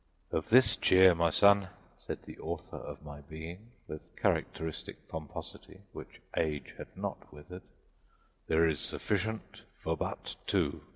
"Of this cheer, my son," said the author of my being, with characteristic pomposity, which age had not withered, "there is sufficient for but two.